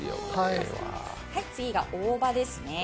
次が大葉ですね。